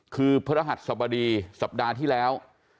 คือพระรหัสสบดีสัปดาห์ที่แล้ว